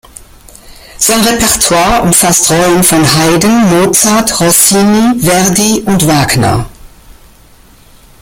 Sein Repertoire umfasst Rollen von Haydn, Mozart, Rossini, Verdi und Wagner.